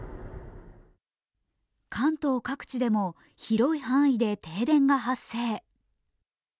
関東各地でも広い範囲で停電が発生。